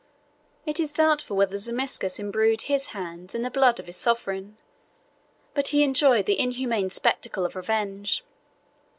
It is doubtful whether Zimisces imbrued his hands in the blood of his sovereign; but he enjoyed the inhuman spectacle of revenge.